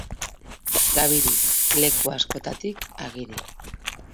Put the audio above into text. Gabiri: leku askotatik agiri.